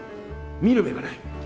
見る目がない。